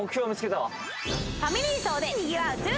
ファミリー層でにぎわう